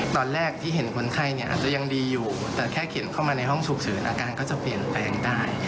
ตอนแรกที่เห็นคนไข้เนี่ยอาจจะยังดีอยู่แต่แค่เขียนเข้ามาในห้องฉุกเฉินอาการก็จะเปลี่ยนแปลงได้